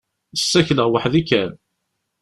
Ssakleɣ weḥd-i kan.